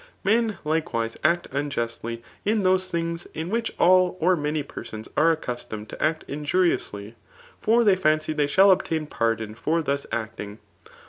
Men likewise act unjustly in those things, ih which all or many persons are accustomed to act injuriously ; foe they &ncy they shall obtain pardon for thus acting.